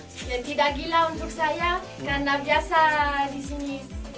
tidak gila untuk saya karena biasa disini